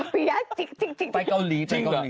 ไปเกาหลี